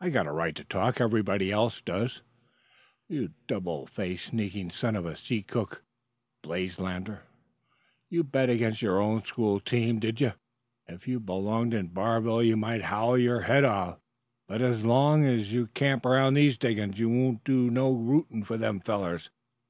"I've got a right to talk; everybody else does." "You double faced, sneaking son of a sea cook!" blazed Lander. "You bet against your own school team, did ye? If you belonged in Barville you might howl your head off; but as long's you camp around these diggin's you won't do no rooting for them fellers.